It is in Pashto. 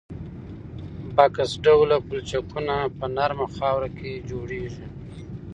بکس ډوله پلچکونه په نرمه خاوره کې جوړیږي